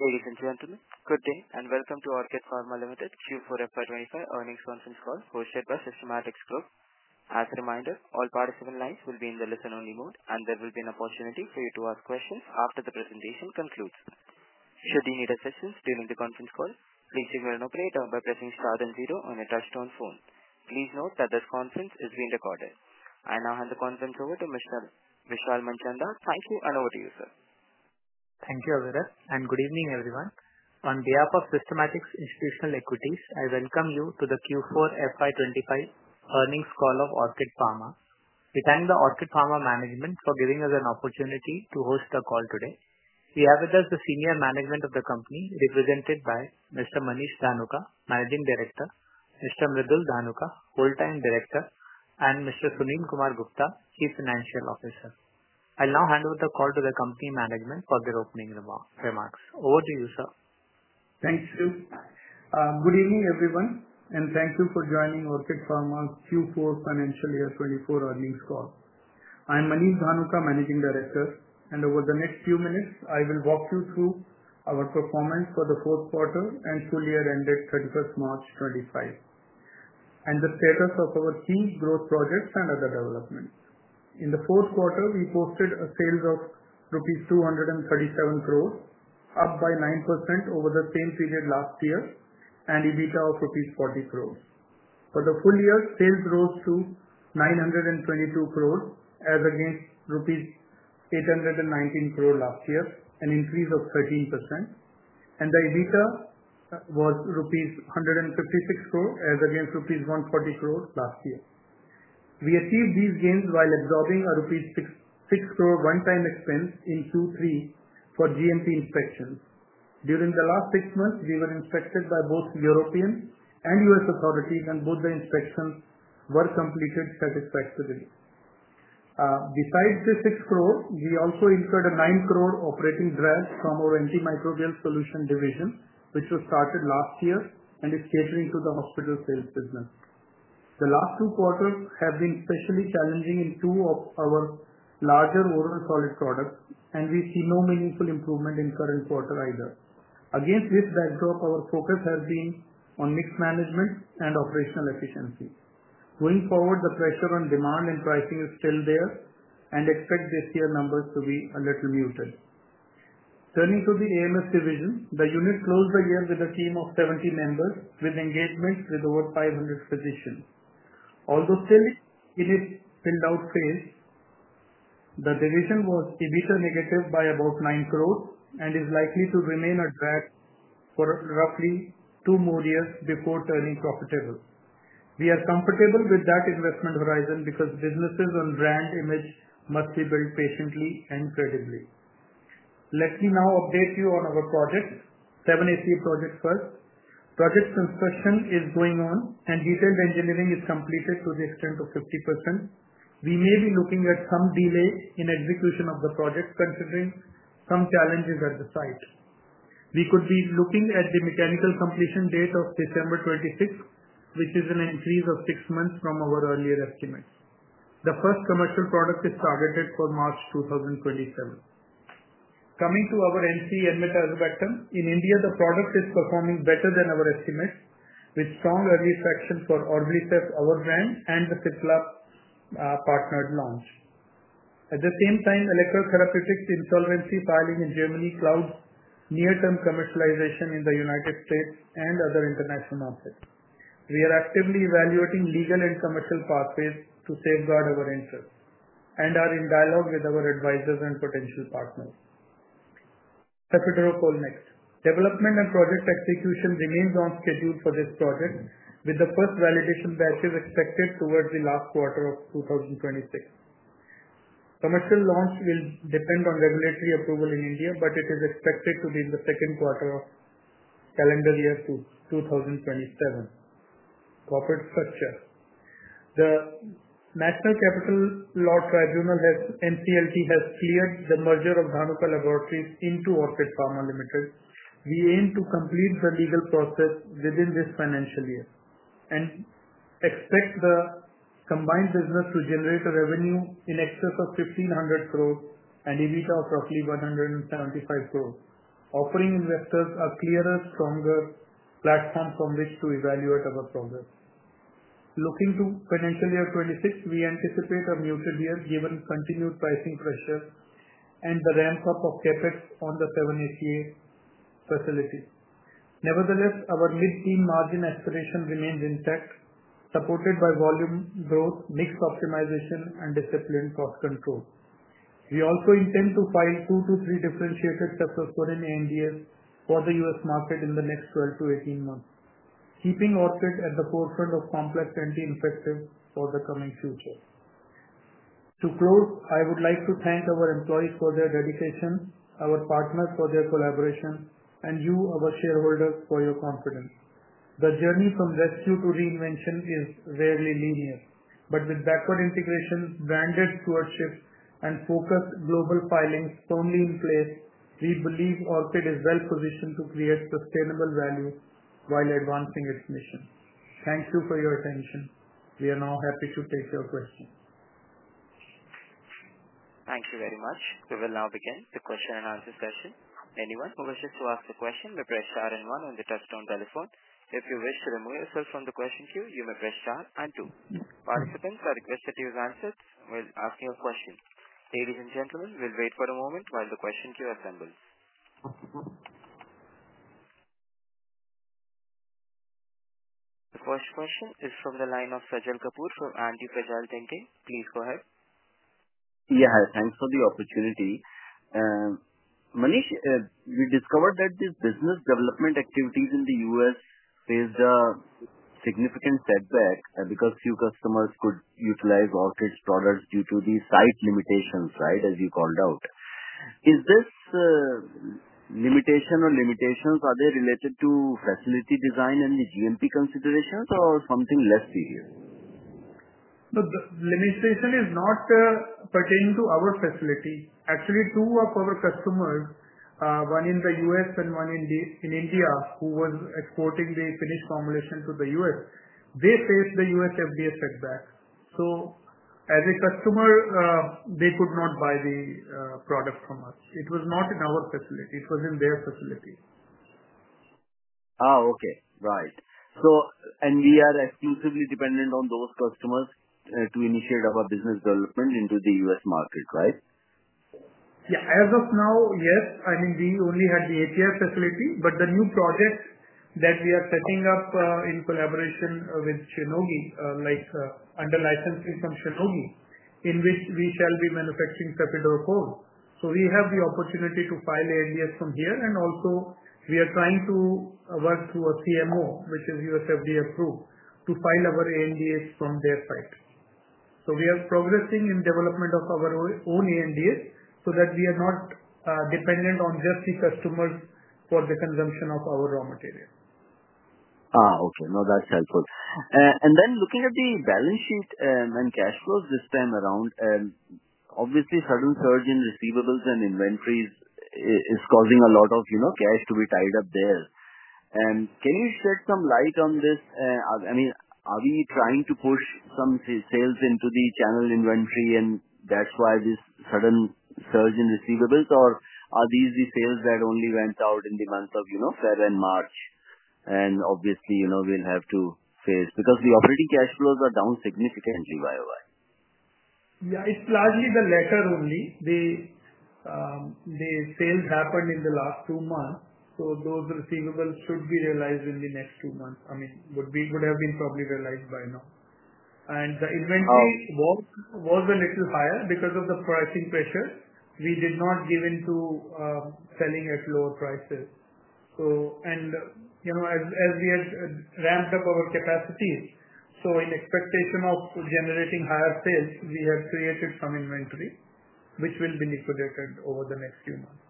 Ladies and gentlemen, good day and Welcome to OrchidPharma Ltd Q4 FY2025 earnings conference call hosted by Systematix Group. As a reminder, all participant lines will be in the listen-only mode, and there will be an opportunity for you to ask questions after the presentation concludes. Should you need assistance during the conference call, please ignore and operate by pressing star then zero on your touch-tone phone. Please note that this conference is being recorded. I now hand the conference over to Mr. Vishal Manchanda. Thank you, and over to you, sir. Thank you, Avira, and good evening, everyone. On behalf of Systematix Institutional Equities, I welcome you to the Q4 FY2025 earnings call of OrchidPharma. We thank the OrchidPharma management for giving us an opportunity to host the call today. We have with us the senior management of the company, represented by Mr. Manish Dhanuka, Managing Director; Mr. Mridul Dhanuka, Whole Time Director; and Mr. Sunil Kumar Gupta, Chief Financial Officer. I'll now hand over the call to the company management for their opening remarks. Over to you, sir. Thank you. Good evening, everyone, and thank you for joining OrchidPharma's Q4 Financial Year 2024 earnings call. I'm Manish Dhanuka, Managing Director, and over the next few minutes, I will walk you through our performance for the fourth quarter and full year ended 21st March 2024, and the status of our key growth projects and other developments. In the fourth quarter, we posted a sales of rupees 237 crore, up by 9% over the same period last year, and EBITDA of rupees 40 crore. For the full year, sales rose to 922 crore, as against rupees 819 crore last year, an increase of 13%, and the EBITDA was rupees 156 crore, as against rupees 140 crore last year. We achieved these gains while absorbing a 6 crore one-time expense in Q3 for GMP inspections. During the last six months, we were inspected by both European and U.S. authorities, and both the inspections were completed satisfactorily. Besides the 6 crore, we also incurred an 9 crore operating draft from our antimicrobial solutions division, which was started last year and is catering to the hospital sales business. The last two quarters have been especially challenging in two of our larger oral solid products, and we see no meaningful improvement in the current quarter either. Against this backdrop, our focus has been on mixed management and operational efficiency. Going forward, the pressure on demand and pricing is still there, and expect this year numbers to be a little muted. Turning to the AMS division, the unit closed the year with a team of 70 members, with engagements with over 500 physicians. Although still in its build-out phase, the division was EBITDA negative by about 9 crore and is likely to remain a drag for roughly two more years before turning profitable. We are comfortable with that investment horizon because businesses on brand image must be built patiently and credibly. Let me now update you on our projects, 7-ACA projects first. Project construction is going on, and detailed engineering is completed to the extent of 50%. We may be looking at some delay in execution of the project, considering some challenges at the site. We could be looking at the mechanical completion date of December 2026, which is an increase of six months from our earlier estimates. The first commercial product is targeted for March 2027. Coming to our NCE Enmetazobactam, in India, the product is performing better than our estimates, with strong early traction for Orblycef, our brand, and the Sitla partnered launch. At the same time, Electra's insolvency filing in Germany clouds near-term commercialization in the United States and other international markets. We are actively evaluating legal and commercial pathways to safeguard our interests and are in dialogue with our advisors and potential partners. Cefiderocol next. Development and project execution remains on schedule for this project, with the first validation batches expected towards the last quarter of 2026. Commercial launch will depend on regulatory approval in India, but it is expected to be in the second quarter of calendar year 2027. Corporate structure. The National Company Law Tribunal, or NCLT, has cleared the merger of Dhanuka Laboratories into OrchidPharma Ltd. We aim to complete the legal process within this financial year and expect the combined business to generate a revenue in excess of 1,500 crore and EBITDA of roughly 175 crore, offering investors a clearer, stronger platform from which to evaluate our progress. Looking to financial year 2026, we anticipate a muted year given continued pricing pressure and the ramp-up of CapEx on the 7-ACA facility. Nevertheless, our mid-team margin aspiration remains intact, supported by volume growth, mix optimization, and disciplined cost control. We also intend to file two to three differentiated testosterone ANDAs for the US market in the next 12 to 18 months, keeping Orchid at the forefront of complex anti-infectives for the coming future. To close, I would like to thank our employees for their dedication, our partners for their collaboration, and you, our shareholders, for your confidence. The journey from rescue to reinvention is rarely linear, but with backward integration, branded stewardship, and focused global filings firmly in place, we believe Orchid is well positioned to create sustainable value while advancing its mission. Thank you for your attention. We are now happy to take your questions. Thank you very much. We will now begin the question and answer session. Anyone who wishes to ask a question may press star and one on the touch-tone telephone. If you wish to remove yourself from the question queue, you may press star and two. Participants are requested to use handsets while asking a question. Ladies and gentlemen, we'll wait for a moment while the question queue assembles. The first question is from the line of Sajal Kapoor from AntiFragile Thinking. Please go ahead. Yeah, thanks for the opportunity. Manish, we discovered that these business development activities in the U.S. faced a significant setback because few customers could utilize Orchid's products due to the site limitations, right, as you called out. Is this limitation or limitations, are they related to facility design and the GMP considerations or something less serious? The limitation is not pertaining to our facility. Actually, two of our customers, one in the U.S. and one in India, who was exporting the finished formulation to the U.S., they faced the U.S. FDA setback. So as a customer, they could not buy the product from us. It was not in our facility. It was in their facility. Oh, okay. Right. We are exclusively dependent on those customers to initiate our business development into the U.S. market, right? Yeah. As of now, yes. I mean, we only had the ATF facility, but the new project that we are setting up in collaboration with Shionogi, like under licensing from Shionogi, in which we shall be manufacturing Cefiderocol. We have the opportunity to file ANDAs from here, and also we are trying to work through a CMO, which is US FDA approved, to file our ANDAs from their site. We are progressing in development of our own ANDAs so that we are not dependent on just the customers for the consumption of our raw material. Okay. No, that's helpful. Then looking at the balance sheet and cash flows this time around, obviously, sudden surge in receivables and inventories is causing a lot of cash to be tied up there. Can you shed some light on this? I mean, are we trying to push some sales into the channel inventory, and that's why this sudden surge in receivables, or are these the sales that only went out in the month of February and March? Obviously, we'll have to face because the operating cash flows are down significantly, by the way. Yeah, it's largely the latter only. The sales happened in the last two months, so those receivables should be realized in the next two months. I mean, would have been probably realized by now. The inventory was a little higher because of the pricing pressure. We did not give in to selling at lower prices. As we had ramped up our capacities, in expectation of generating higher sales, we have created some inventory, which will be liquidated over the next few months.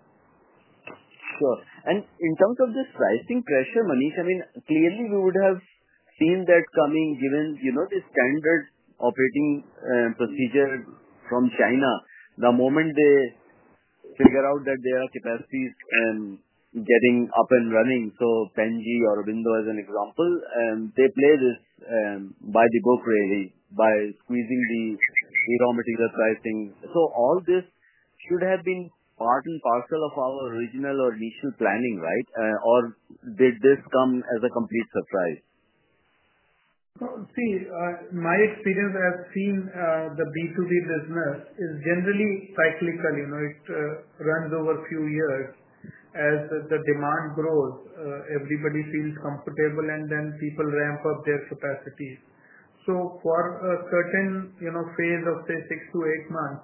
Sure. In terms of this pricing pressure, Manish, I mean, clearly, we would have seen that coming given the standard operating procedure from China. The moment they figure out that their capacities are getting up and running, Penji or Window as an example, they play this by the book, really, by squeezing the raw material pricing. All this should have been part and parcel of our original or initial planning, right? Or did this come as a complete surprise? See, my experience as seeing the B2B business is generally cyclical. It runs over a few years. As the demand grows, everybody feels comfortable, and then people ramp up their capacities. For a certain phase of, say, six to eight months,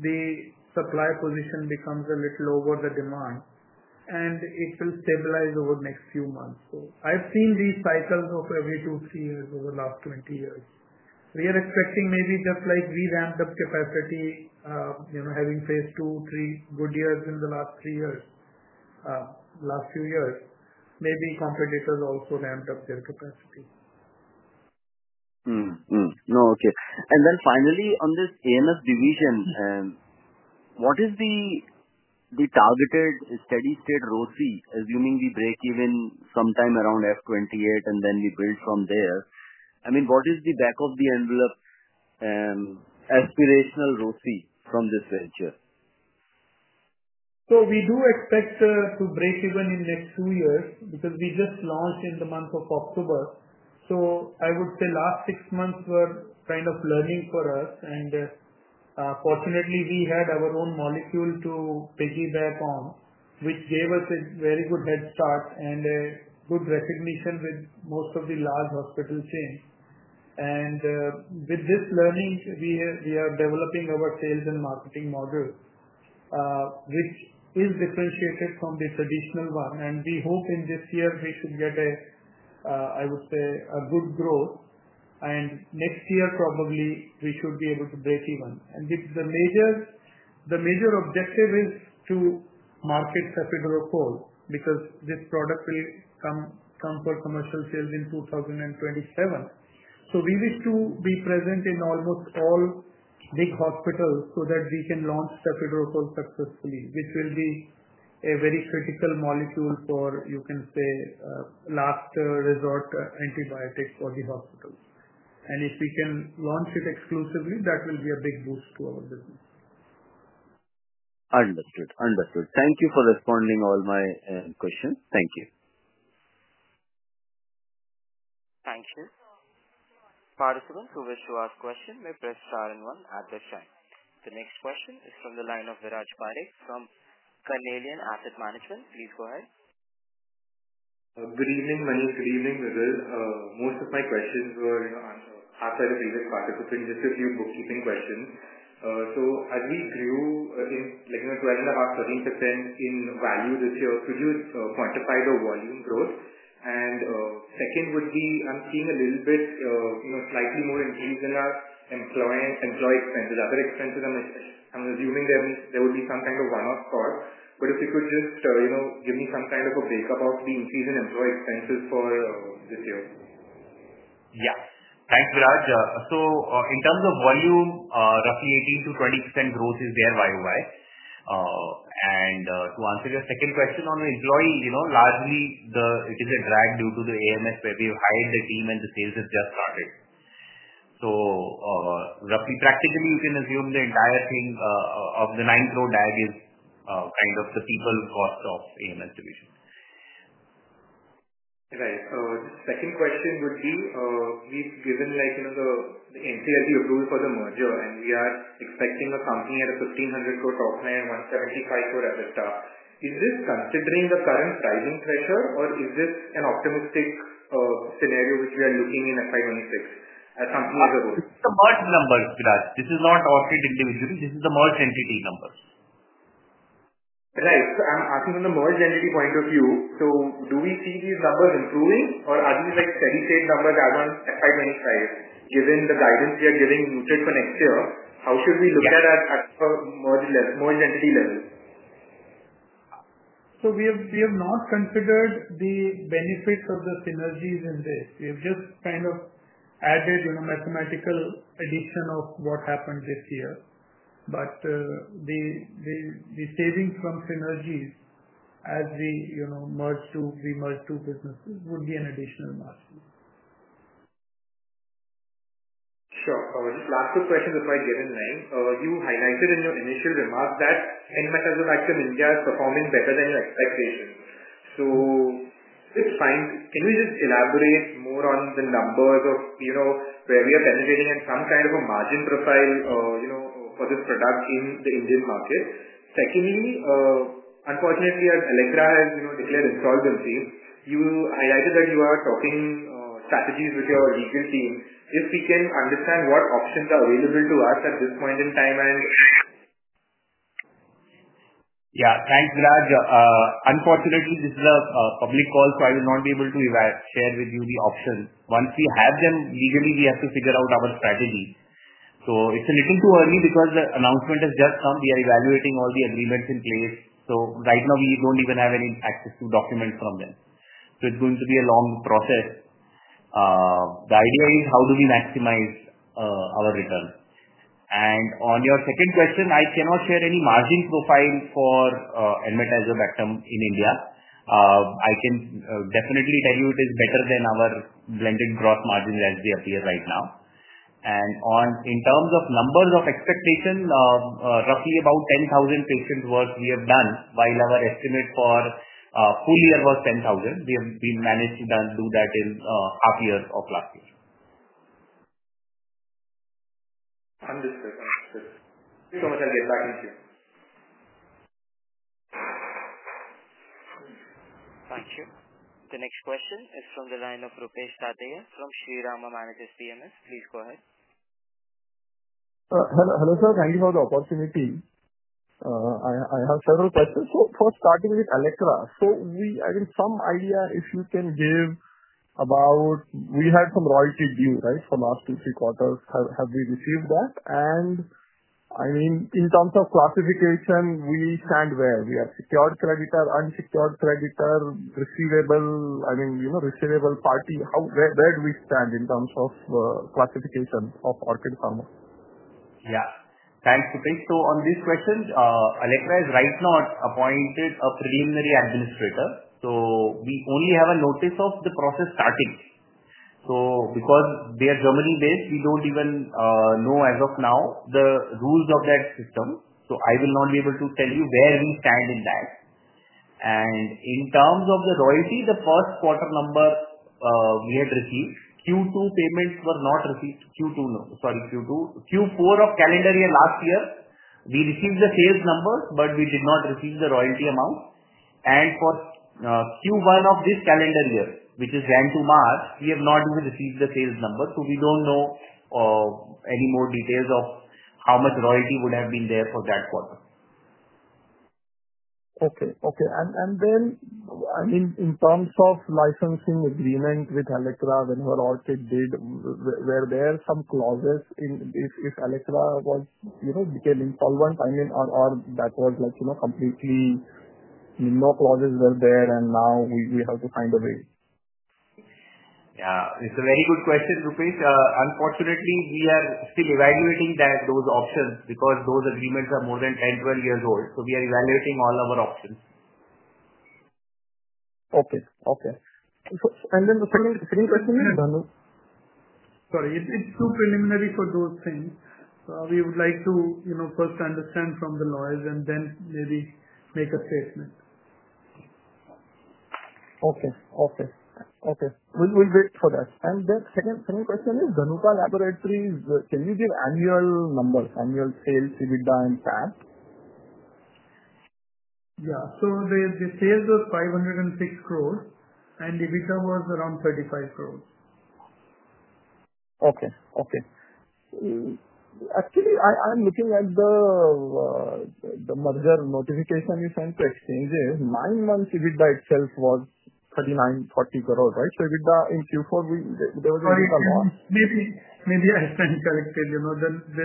the supply position becomes a little over the demand, and it will stabilize over the next few months. I have seen these cycles of every two, three years over the last 20 years. We are expecting maybe just like we ramped up capacity, having faced two, three good years in the last few years, maybe competitors also ramped up their capacity. No, okay. And then finally, on this AMS division, what is the targeted steady-state ROSI, assuming we break even sometime around FY 2028, and then we build from there? I mean, what is the back-of-the-envelope aspirational ROSI from this venture? We do expect to break even in the next two years because we just launched in the month of October. I would say the last six months were kind of learning for us. Fortunately, we had our own molecule to piggyback on, which gave us a very good head start and a good recognition with most of the large hospital chains. With this learning, we are developing our sales and marketing model, which is differentiated from the traditional one. We hope in this year we should get, I would say, a good growth. Next year, probably, we should be able to break even. The major objective is to market Cefiderocol because this product will come for commercial sales in 2027. We wish to be present in almost all big hospitals so that we can launch Cefiderocol successfully, which will be a very critical molecule for, you can say, last resort antibiotic for the hospitals. If we can launch it exclusively, that will be a big boost to our business. Understood. Understood. Thank you for responding to all my questions. Thank you. Thank you. Participants who wish to ask questions may press star and one at the chime. The next question is from the line of Viraj Parekh from Carnelian Asset Management. Please go ahead. Good evening, Manish. Good evening, Viraj. Most of my questions were asked by the previous participants, just a few bookkeeping questions. As we grew like 12.5%-13% in value this year, could you quantify the volume growth? Second would be, I'm seeing a little bit slightly more increase in our employee expenses. Other expenses, I'm assuming there would be some kind of one-off cost. If you could just give me some kind of a breakup of the increase in employee expenses for this year. Yeah. Thanks, Viraj. In terms of volume, roughly 18%-20% growth is there, by the way. To answer your second question on employee, largely, it is a drag due to the AMS where we've hired the team, and the sales have just started. Roughly, practically, you can assume the entire thing of the ninth-row drag is kind of the people cost of AMS division. Right. So the second question would be, please, given the NCLT approval for the merger, and we are expecting a company at an 1,500 crore top line and 175 crore EBITDA, is this considering the current pricing pressure, or is this an optimistic scenario which we are looking in FY 2026 as something as a whole? This is the merged numbers, Viraj. This is not Orchid individually. This is the merged entity numbers. Right. So I'm asking from the merged entity point of view. Do we see these numbers improving, or are these steady-state numbers as on FY 2025? Given the guidance we are giving muted for next year, how should we look at it at the merged entity level? We have not considered the benefits of the synergies in this. We have just kind of added mathematical addition of what happened this year. The savings from synergies as we merge two businesses would be an additional margin. Sure. Just last two questions if I get in line. You highlighted in your initial remarks that Enmetazobactam India is performing better than your expectations. So it's fine. Can you just elaborate more on the numbers of where we are penetrating and some kind of a margin profile for this product in the Indian market? Secondly, unfortunately, as Electra has declared insolvency, you highlighted that you are talking strategies with your legal team. If we can understand what options are available to us at this point in time and. Yeah. Thanks, Viraj. Unfortunately, this is a public call, so I will not be able to share with you the options. Once we have them legally, we have to figure out our strategy. It is a little too early because the announcement has just come. We are evaluating all the agreements in place. Right now, we do not even have any access to documents from them. It is going to be a long process. The idea is, how do we maximize our return? On your second question, I cannot share any margin profile for Enmetazobactam in India. I can definitely tell you it is better than our blended gross margins as they appear right now. In terms of numbers of expectation, roughly about 10,000 patients' work we have done, while our estimate for full year was 10,000. We have managed to do that in half a year of last year. Understood. Understood. Thank you so much. I'll get back in soon. Thank you. The next question is from the line of Rupesh Dharia from Sri Rama Managers PMS. Please go ahead. Hello, sir. Thank you for the opportunity. I have several questions. First, starting with Electra, I have some idea if you can give about we had some royalty due, right, for the last two, three quarters. Have we received that? I mean, in terms of classification, we stand where? We are secured creditor, unsecured creditor, receivable, I mean, receivable party? Where do we stand in terms of classification of OrchidPharma? Yeah. Thanks, Rupesh. On this question, Electra has right now appointed a preliminary administrator. We only have a notice of the process starting. Because they are Germany-based, we do not even know as of now the rules of that system. I will not be able to tell you where we stand in that. In terms of the royalty, the first quarter number we had received, Q2 payments were not received. Q2, sorry, Q2. Q4 of calendar year last year, we received the sales numbers, but we did not receive the royalty amount. For Q1 of this calendar year, which is January to March, we have not even received the sales numbers. We do not know any more details of how much royalty would have been there for that quarter. Okay. Okay. I mean, in terms of licensing agreement with Electra whenever Orchid did, were there some clauses if Electra became insolvent? I mean, or that was completely no clauses were there, and now we have to find a way? Yeah. It's a very good question, Rupesh. Unfortunately, we are still evaluating those options because those agreements are more than 10-12 years old. So we are evaluating all our options. Okay. Okay. And then the second question is, sorry, it's too preliminary for those things. We would like to first understand from the lawyers and then maybe make a statement. Okay. Okay. Okay. We'll wait for that. And then second question is, Dhanuka Laboratories, can you give annual numbers, annual sales, EBITDA, and PAN? Yeah. The sales were 506 crore, and EBITDA was around 35 crore. Okay. Okay. Actually, I'm looking at the merger notification you sent to Exchanges. Nine months EBITDA itself was 39 crore, 40 crore, right? So EBITDA in Q4, there was a lot? Maybe I've been corrected. Sir,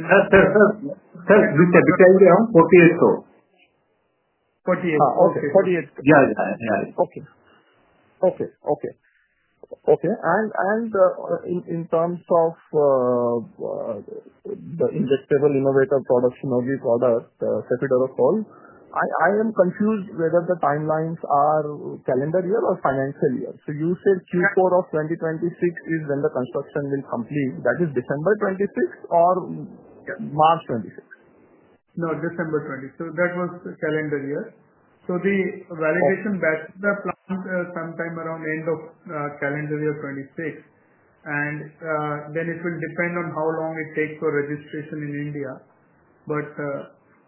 you said INR 48 crore? 48 crore. Okay. INR 48 crore. Yeah. Yeah. Okay. Okay. Okay. And in terms of the injectable innovator products, Synergy products, Cefiderocol, I am confused whether the timelines are calendar year or financial year. You said Q4 of 2026 is when the construction will complete. That is December 2026 or March 2026? No, December 2026. That was calendar year. The validation batch was planned sometime around end of calendar year 2026. It will depend on how long it takes for registration in India.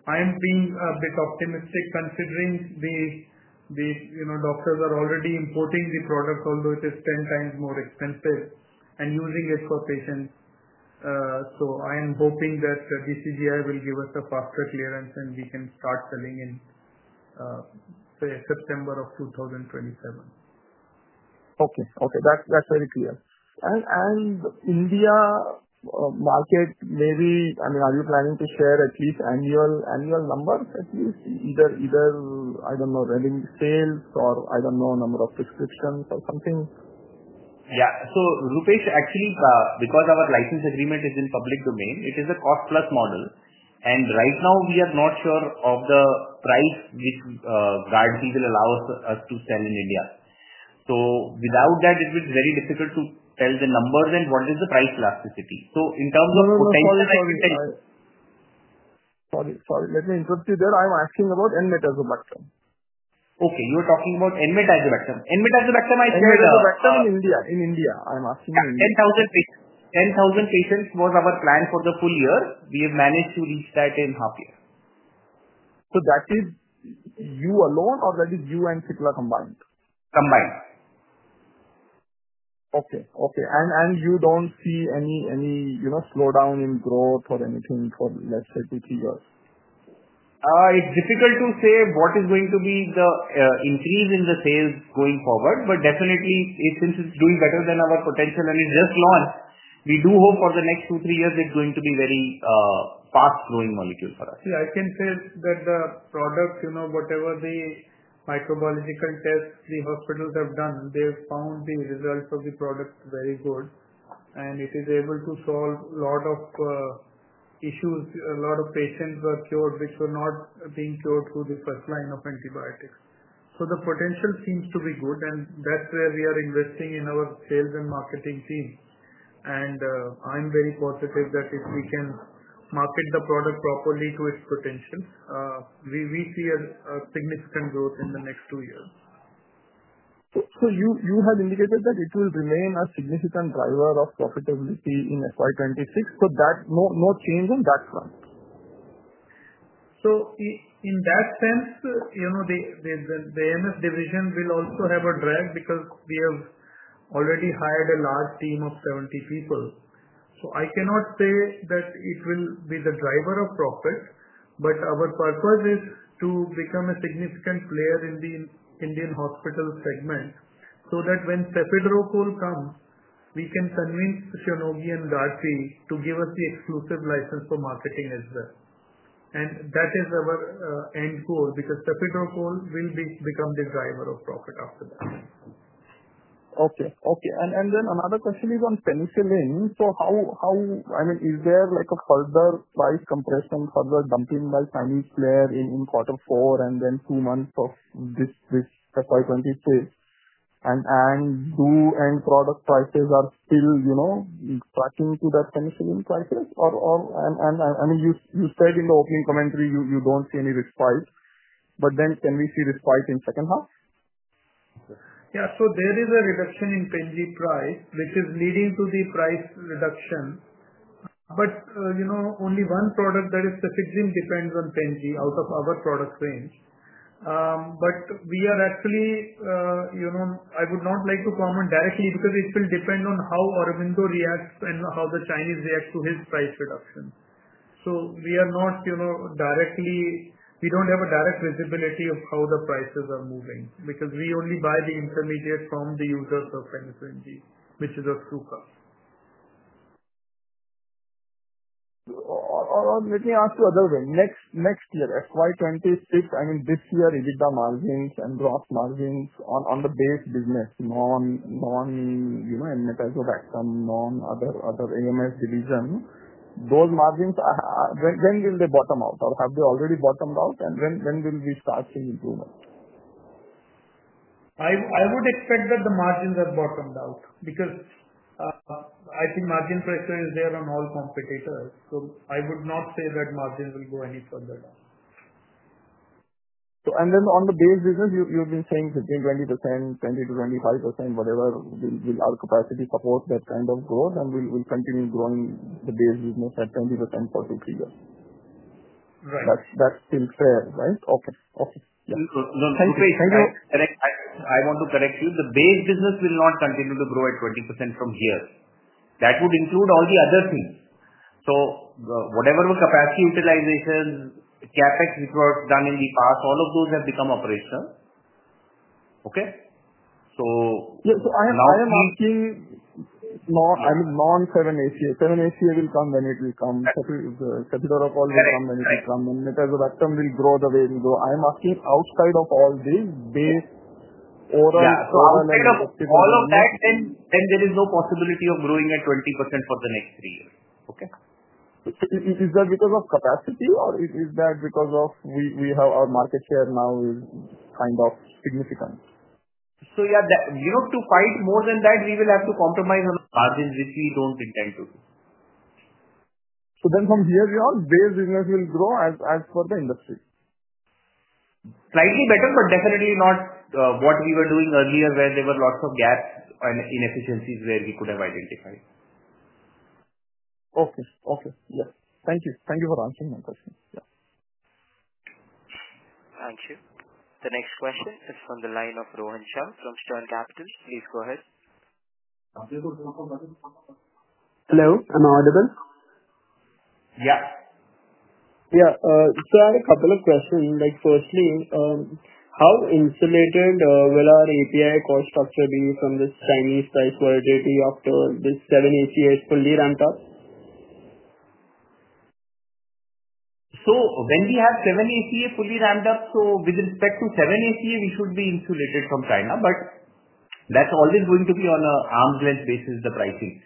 I am being a bit optimistic considering the doctors are already importing the product, although it is 10 times more expensive, and using it for patients. I am hoping that DCGI will give us a faster clearance, and we can start selling in September of 2027. Okay. Okay. That's very clear. In India market, maybe, I mean, are you planning to share at least annual numbers? At least either, I don't know, revenue sales or, I don't know, number of prescriptions or something? Yeah. Rupesh, actually, because our license agreement is in public domain, it is a cost-plus model. Right now, we are not sure of the price which allows us to sell in India. Without that, it will be very difficult to tell the numbers and what is the price elasticity. In terms of potential. Sorry. Let me interrupt you there. I'm asking about Enmetazobactam. Okay. You were talking about Enmetazobactam. Enmetazobactam, I said. Enmetazobactam active in India. In India. I'm asking you in India. 10,000 patients was our plan for the full year. We have managed to reach that in half a year. Is that you alone, or is that you and Sitla combined? Combined. Okay. Okay. You do not see any slowdown in growth or anything for, let's say, two, three years? It's difficult to say what is going to be the increase in the sales going forward, but definitely, since it's doing better than our potential, and it's just launched, we do hope for the next two, three years, it's going to be a very fast-growing molecule for us. Yeah. I can say that the product, whatever the microbiological tests the hospitals have done, they have found the results of the product very good. It is able to solve a lot of issues. A lot of patients were cured, which were not being cured through the first line of antibiotics. The potential seems to be good, and that is where we are investing in our sales and marketing team. I am very positive that if we can market the product properly to its potential, we see significant growth in the next two years. You had indicated that it will remain a significant driver of profitability in FY 2026. No change on that front? In that sense, the MS division will also have a drag because we have already hired a large team of 70 people. I cannot say that it will be the driver of profit, but our purpose is to become a significant player in the Indian hospital segment so that when Cefiderocol comes, we can convince Shionogi and Gufic to give us the exclusive license for marketing as well. That is our end goal because Cefiderocol will become the driver of profit after that. Okay. Okay. Another question is on penicillin. I mean, is there a further price compression, further dumping by Chinese players in quarter four and then two months of this FY 2026? Do end product prices still track to that penicillin prices? I mean, you said in the opening commentary, you do not see any respite. Can we see respite in second half? Yeah. There is a reduction in Penicillin G price, which is leading to the price reduction. Only one product specifically depends on Penicillin G out of our product range. I would not like to comment directly because it will depend on how Aurobindo reacts and how the Chinese react to this price reduction. We do not have a direct visibility of how the prices are moving because we only buy the intermediate from the users of Penicillin, which is Asuka. Let me ask you another way. Next year, FY 2026, I mean, this year, EBITDA margins and gross margins on the base business, non-Enmetazobactam, non-other AMS division, those margins, when will they bottom out? Have they already bottomed out? When will we start seeing improvement? I would expect that the margins have bottomed out because I think margin pressure is there on all competitors. I would not say that margins will go any further down. On the base business, you've been saying between 20%-25%, whatever, will our capacity support that kind of growth, and we'll continue growing the base business at 20% for two, three years? Right. That's still fair, right? Okay. Okay. Yeah. Thank you. I want to correct you. The base business will not continue to grow at 20% from here. That would include all the other things. So whatever capacity utilization, CapEx which was done in the past, all of those have become operational. Okay? So now. Yeah. I am asking, I mean, non-7-ACA. 7-ACA will come when it will come. Cefiderocol will come when it will come. Enmetazobactam will grow the way we grow. I am asking outside of all this, base, overall. Yeah. Outside of all of that, then there is no possibility of growing at 20% for the next three years. Okay. Is that because of capacity, or is that because we have our market share now is kind of significant? Yeah, to fight more than that, we will have to compromise margins, which we don't intend to do. Then from here, your base business will grow as per the industry? Slightly better, but definitely not what we were doing earlier where there were lots of gaps and inefficiencies where we could have identified. Okay. Thank you. Thank you for answering my question. Yeah. Thank you. The next question is from the line of Rohan Shah from Stern Capitals. Please go ahead. Hello. Am I audible? Yeah. Yeah. So I had a couple of questions. Firstly, how insulated will our API cost structure be from this Chinese price volatility after this 7-ACA is fully ramped up? When we have 7-ACA fully ramped up, with respect to 7-ACA, we should be insulated from China. That is always going to be on an arm's length basis, the pricing.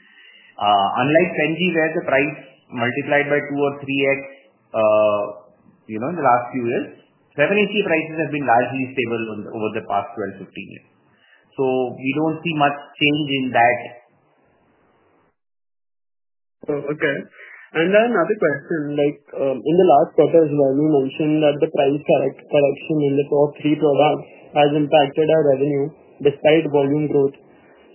Unlike Penicillin G, where the price multiplied by 2-3x in the last few years, 7-ACA prices have been largely stable over the past 12-15 years. We do not see much change in that. Okay. Another question. In the last quarter, you mentioned that the price correction in the top three products has impacted our revenue despite volume growth.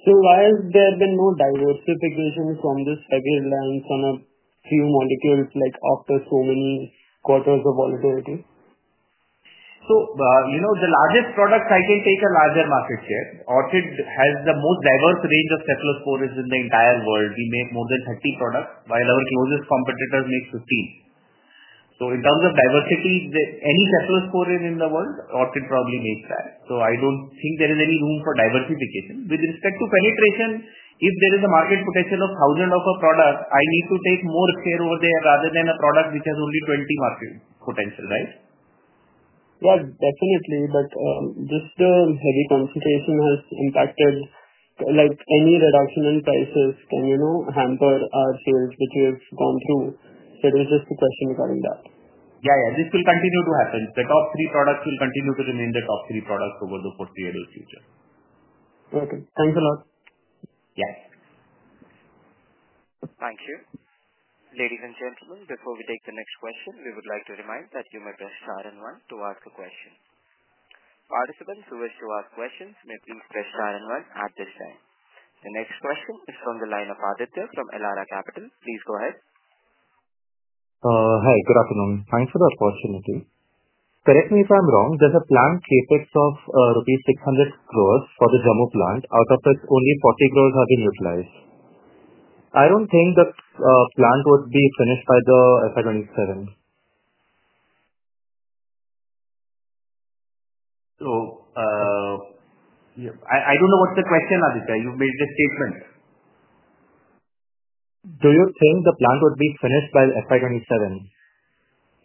Why has there been no diversification from this heavy lens on a few molecules after so many quarters of volatility? The largest products I can take a larger market share. Orchid has the most diverse range of cephalosporins in the entire world. We make more than 30 products, while our closest competitor makes 15. In terms of diversity, any cephalosporin in the world, Orchid probably makes that. I do not think there is any room for diversification. With respect to penetration, if there is a market potential of thousands of a product, I need to take more share over there rather than a product which has only 20 market potential, right? Yeah. Definitely. Just the heavy concentration has impacted. Any reduction in prices can hamper our sales, which we have gone through. It was just a question regarding that. Yeah. Yeah. This will continue to happen. The top three products will continue to remain the top three products over the foreseeable future. Okay. Thanks a lot. Yeah. Thank you. Ladies and gentlemen, before we take the next question, we would like to remind that you may press star and one to ask a question. Participants who wish to ask questions may please press star and one at this time. The next question is from the line of Aditya from Elara Capital. Please go ahead. Hi. Good afternoon. Thanks for the opportunity. Correct me if I'm wrong. There's a planned CapEx of rupees 600 crore for the Jammu plant. Out of it, only 40 crore have been utilized. I don't think the plant would be finished by FY 2027. I don't know what's the question, Ardiya. You've made the statement. Do you think the plant would be finished by FY 2027?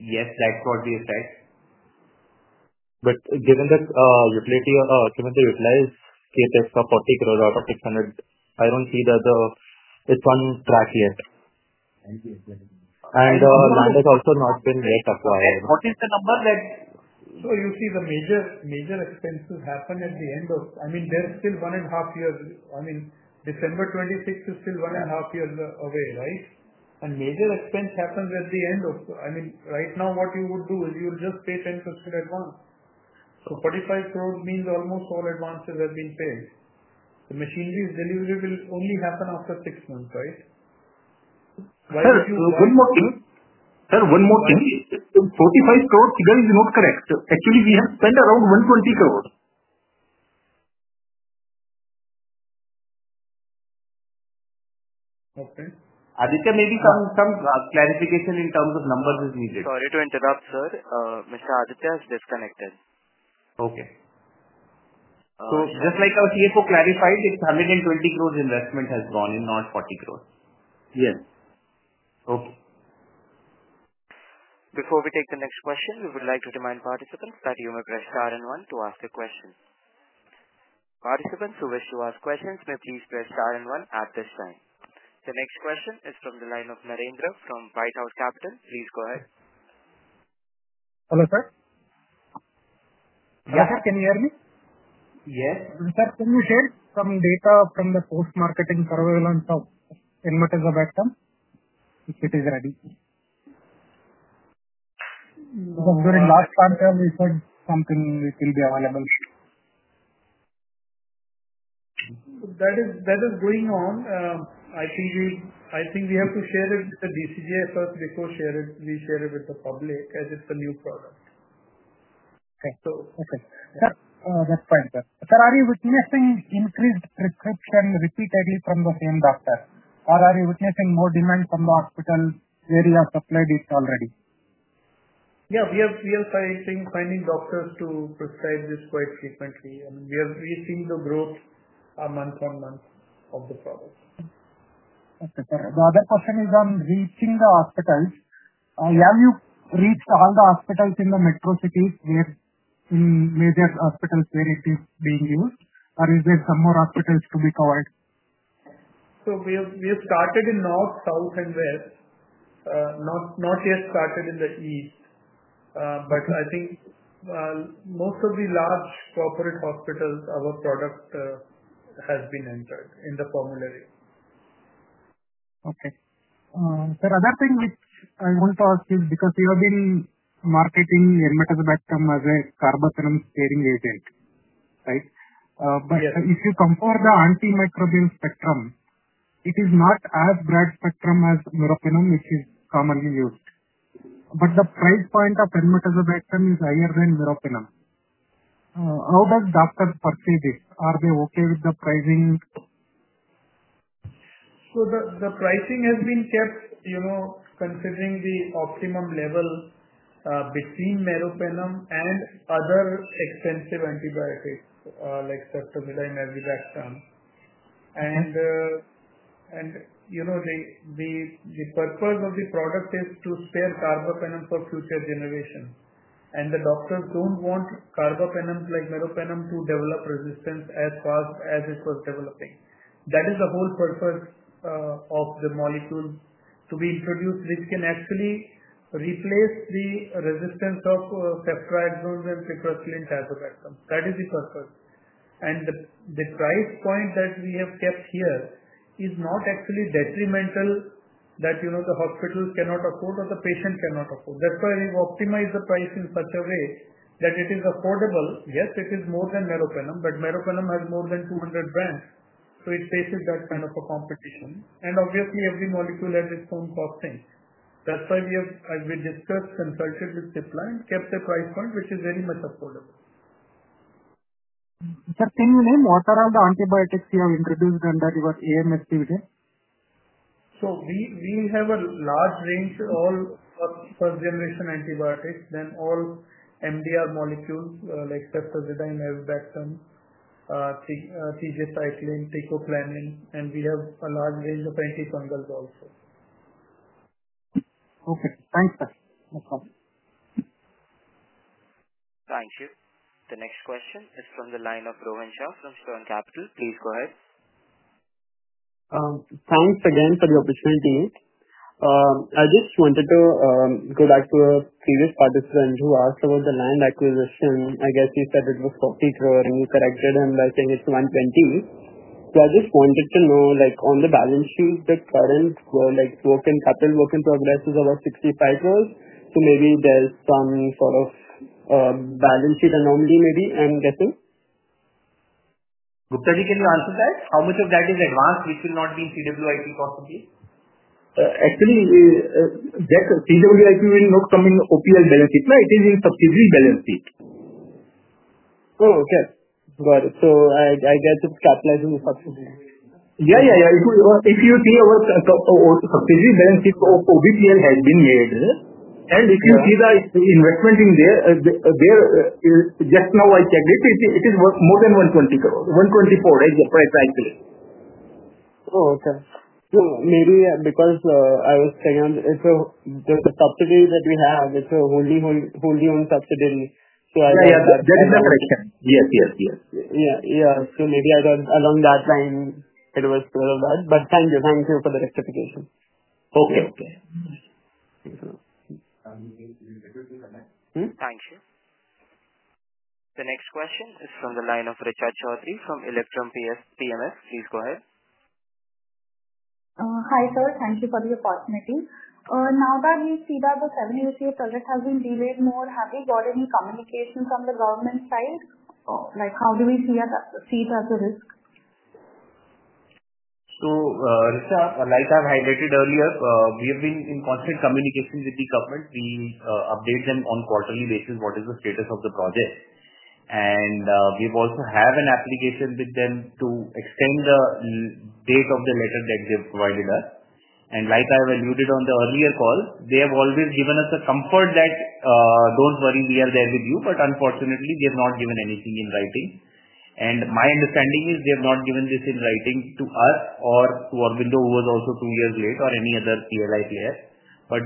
Yes. That's what we said. Given the utility or given the utilized CapEx of INR 40 crore out of 600 crore, I do not see that it is on track yet. Thank you. Land has also not been yet acquired. What is the number that? You see the major expenses happen at the end of, I mean, there's still one and a half years. I mean, December 2026 is still one and a half years away, right? Major expense happens at the end of, I mean, right now, what you would do is you'll just pay 10% advance. 450 million means almost all advances have been paid. The machinery delivery will only happen after six months, right? Why would you? One more thing. Sir, one more thing. 45 crore, you guys did not correct. Actually, we have spent around 120 crore. Okay. Arditya, maybe some clarification in terms of numbers is needed. Sorry to interrupt, sir. Mr. Aditya has disconnected. Okay. Just like our CFO clarified, it is 120 crore investment has gone in, not 40 crore. Yes. Okay. Before we take the next question, we would like to remind participants that you may press star and one to ask a question. Participants who wish to ask questions may please press star and one at this time. The next question is from the line of Narendra from White House Capital. Please go ahead. Hello, sir? Yeah, sir. Can you hear me? Yes. Sir, can you share some data from the post-marketing surveillance of Enmetazobactam? If it is ready. Because during last panel, we said something it will be available. That is going on. I think we have to share it with the DCGI first before we share it with the public as it's a new product. Okay. Okay. That's fine, sir. Sir, are you witnessing increased prescription repeatedly from the same doctor? Are you witnessing more demand from the hospital where you have supplied it already? Yeah. We are signing doctors to prescribe this quite frequently. We have seen the growth month on month of the product. Okay. Sir, the other question is on reaching the hospitals. Have you reached all the hospitals in the metro cities where in major hospitals where it is being used? Or is there some more hospitals to be covered? We have started in north, south, and west. Not yet started in the east. I think most of the large corporate hospitals, our product has been entered in the formulary. Okay. Sir, another thing which I want to ask is because you have been marketing Enmetazobactam as a carbapenem-sparing agent, right? If you compare the antimicrobial spectrum, it is not as broad spectrum as meropenem, which is commonly used. The price point of Enmetazobactam is higher than meropenem. How does the doctor purchase it? Are they okay with the pricing? The pricing has been kept considering the optimum level between meropenem and other expensive antibiotics like ceftazidime and aztreonam. The purpose of the product is to spare carbapenem for future generations. The doctors do not want carbapenems like meropenem to develop resistance as fast as it was developing. That is the whole purpose of the molecule to be introduced, which can actually replace the resistance of ceftriaxone and ciprofloxacin and aztreonam. That is the purpose. The price point that we have kept here is not actually detrimental that the hospital cannot afford or the patient cannot afford. That is why we have optimized the price in such a way that it is affordable. Yes, it is more than meropenem, but meropenem has more than 200 brands. It faces that kind of a competition. Obviously, every molecule has its own costing. That's why we have discussed, consulted with Cipla, and kept the price point, which is very much affordable. Sir, can you name what are all the antibiotics you have introduced under your AMSP today? We have a large range, all first-generation antibiotics, then all MDR molecules like ceftazidime, aztreonam, tigecycline, teicoplanin. We have a large range of antifungals also. Okay. Thanks, sir. No problem. Thank you. The next question is from the line of Rohan Shah from Stern Capital. Please go ahead. Thanks again for the opportunity. I just wanted to go back to a previous participant who asked about the land acquisition. I guess you said it was 40 crore, and you corrected him by saying it's 120 crore. I just wanted to know, on the balance sheet, the current capital work in progress is about 65 crore. Maybe there's some sort of balance sheet anomaly, maybe, I'm guessing? Gupta, can you answer that? How much of that is advanced, which will not be in CWIP possibly? Actually, that CWIP will not OrchidPharma Ltd balance sheet. It is in subsidiary balance sheet. Oh, okay. Got it. So I guess it's capitalizing the subsidiary. Yeah. Yeah. If you see our subsidiary balance sheet of OBPL has been made. If you see the investment in there, just now I checked it, it is more than 120 crore, 124 crore, right, the price calculation. Oh, okay. Maybe because I was saying there's a subsidiary that we have, it's a wholly owned subsidiary. I guess that. Yeah. That is the correction. Yes. Yes. Yes. Yeah. Yeah. Maybe along that line, it was clearer that. Thank you. Thank you for the rectification. Okay. Okay. Thank you. Thank you. The next question is from the line of Richard Choudhury from Systematix Group PMS. Please go ahead. Hi, sir. Thank you for the opportunity. Now that we see that the 7-ACA project has been delayed more, have we got any communication from the government side? How do we see it as a risk? Like I have highlighted earlier, we have been in constant communication with the government. We update them on a quarterly basis what is the status of the project. We also have an application with them to extend the date of the letter that they have provided us. Like I have alluded on the earlier call, they have always given us the comfort that, "Don't worry, we are there with you." Unfortunately, they have not given anything in writing. My understanding is they have not given this in writing to us or to Aurobindo, who was also two years late, or any other PLI player.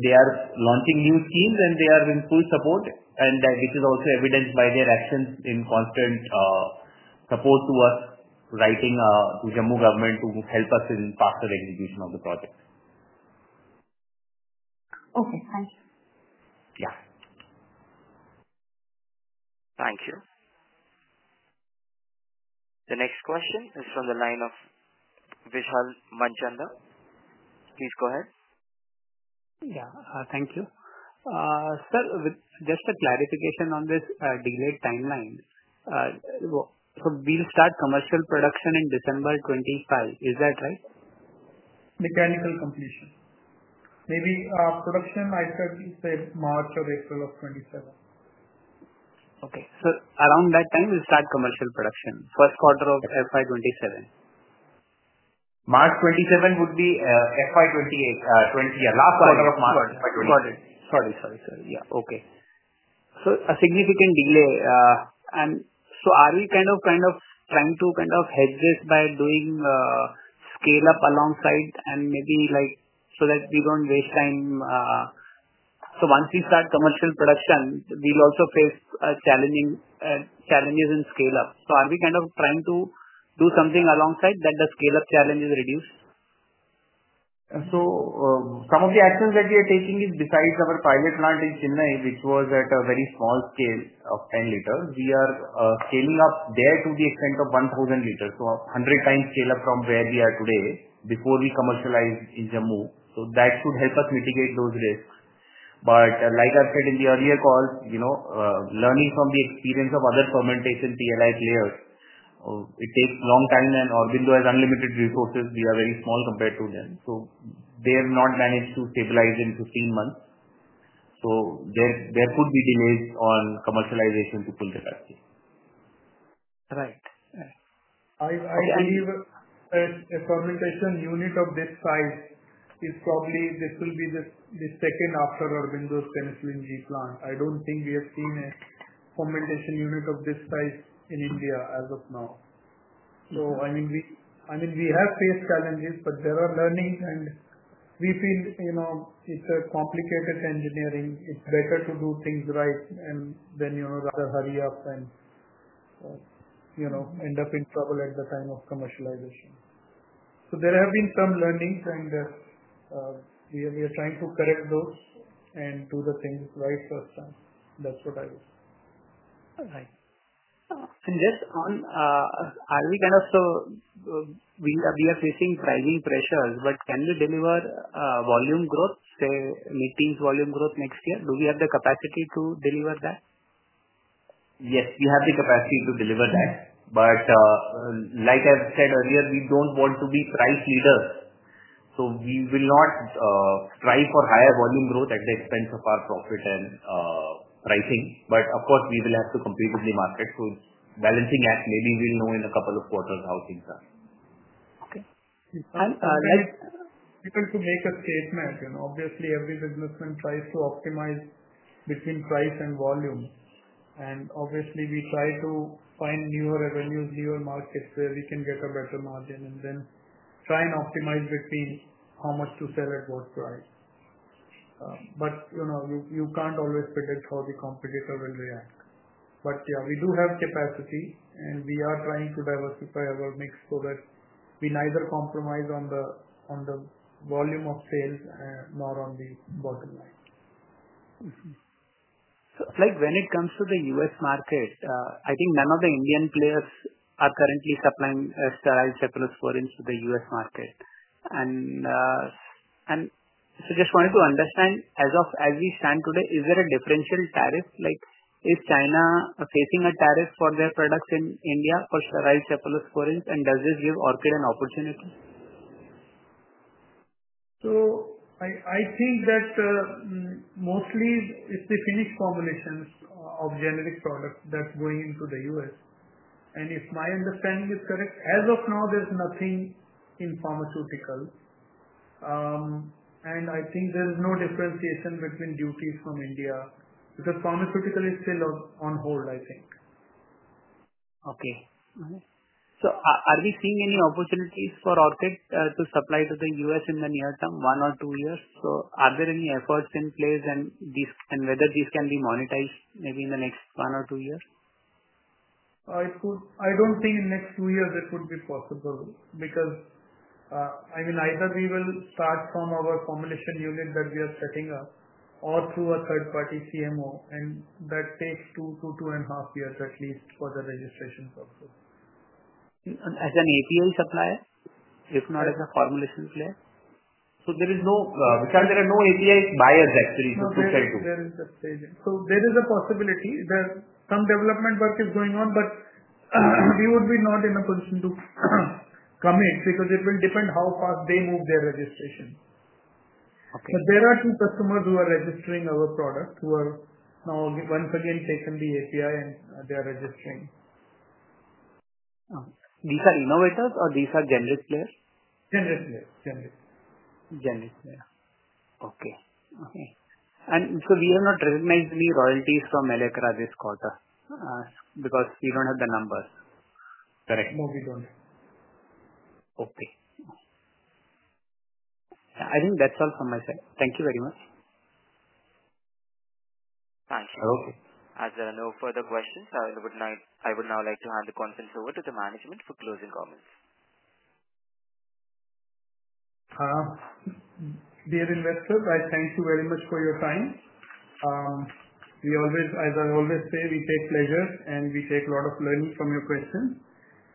They are launching new schemes, and they are in full support, which is also evidenced by their actions in constant support to us, writing to Jammu government to help us in faster execution of the project. Okay. Thank you. Yeah. Thank you. The next question is from the line of Vishal Manchanda. Please go ahead. Yeah. Thank you. Sir, just a clarification on this delayed timeline. So we'll start commercial production in December 2025. Is that right? Mechanical completion. Maybe production, I'd say, March or April of 2027. Okay. So around that time, we'll start commercial production, first quarter of FY 2027. March 27 would be FY 2028. Last quarter of March 2028. Sorry. Sorry. Sorry. Yeah. Okay. A significant delay. Are we kind of trying to hedge this by doing scale-up alongside and maybe so that we do not waste time? Once we start commercial production, we will also face challenges in scale-up. Are we kind of trying to do something alongside so that the scale-up challenge is reduced? Some of the actions that we are taking is besides our pilot plant in Chennai, which was at a very small scale of 10 liters, we are scaling up there to the extent of 1,000 liters. A 100 times scale-up from where we are today before we commercialize in Jammu. That should help us mitigate those risks. Like I've said in the earlier calls, learning from the experience of other fermentation PLI players, it takes a long time. Aurobindo has unlimited resources. We are very small compared to them. They have not managed to stabilize in 15 months. There could be delays on commercialization to Pulduracti. Right. I believe a fermentation unit of this size is probably, this will be the second after Aurobindo's Penicillin G plant. I do not think we have seen a fermentation unit of this size in India as of now. I mean, we have faced challenges, but there are learnings. We feel it is a complicated engineering. It is better to do things right than rather hurry up and end up in trouble at the time of commercialization. There have been some learnings, and we are trying to correct those and do the things right first time. That is what I would say. All right. Just on are we kind of so we are facing pricing pressures, but can we deliver volume growth, say, meetings volume growth next year? Do we have the capacity to deliver that? Yes. We have the capacity to deliver that. Like I've said earlier, we don't want to be price leaders. We will not strive for higher volume growth at the expense of our profit and pricing. Of course, we will have to compete with the market. It's a balancing act. Maybe we'll know in a couple of quarters how things are. Okay. And. I'm able to make a statement. Obviously, every businessman tries to optimize between price and volume. Obviously, we try to find newer revenues, newer markets where we can get a better margin and then try and optimize between how much to sell at what price. You can't always predict how the competitor will react. Yeah, we do have capacity, and we are trying to diversify our mix so that we neither compromise on the volume of sales nor on the bottom line. When it comes to the U.S. market, I think none of the Indian players are currently supplying sterile cephalosporins to the U.S. market. I just wanted to understand, as we stand today, is there a differential tariff? Is China facing a tariff for their products in India for sterile cephalosporins? Does this give Orchid an opportunity? I think that mostly it's the Finnish formulations of generic products that's going into the U.S. If my understanding is correct, as of now, there's nothing in pharmaceuticals. I think there is no differentiation between duties from India because pharmaceutical is still on hold, I think. Okay. Are we seeing any opportunities for Orchid to supply to the U.S. in the near term, one or two years? Are there any efforts in place and whether these can be monetized maybe in the next one or two years? I don't think in the next two years it would be possible because, I mean, either we will start from our formulation unit that we are setting up or through a third-party CMO. That takes two, two and a half years at least for the registration process. As an API supplier, if not as a formulation player? There is no, Vishal, there are no API buyers, actually, to sell to. There is a staging. There is a possibility. Some development work is going on, but we would be not in a position to commit because it will depend how fast they move their registration. There are two customers who are registering our product who have now once again taken the API, and they are registering. These are innovators, or these are generic players? Generic players. Generic players. Okay. Okay. We have not recognized any royalties from Electra this quarter because we don't have the numbers. Correct. No, we don't. Okay. I think that's all from my side. Thank you very much. Thank you. Okay. As there are no further questions, I would now like to hand the conference over to the management for closing comments. Dear investors, I thank you very much for your time. As I always say, we take pleasure, and we take a lot of learning from your questions.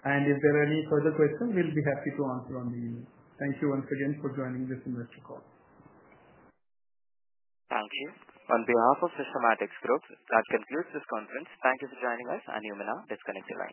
If there are any further questions, we'll be happy to answer on the email. Thank you once again for joining this investor call. Thank you. On behalf of Systematix Group, that concludes this conference. Thank you for joining us. I'm Neemuna. This connects you now.